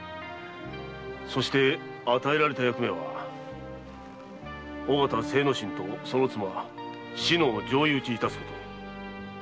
そして与えられた役目は尾形精之進とその妻・篠を上意討ち致すこと。